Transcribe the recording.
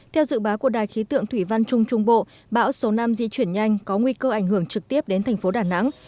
theo dự báo của đài khí tượng thủy văn trung trung bộ bão số năm di chuyển nhanh có nguy cơ ảnh hưởng trực tiếp đến thành phố đà nẵng